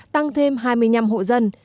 tăng thêm hai mươi năm hộ dân